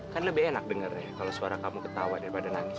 kan lebih enak dengarnya kalau suara kamu ketawa daripada nangis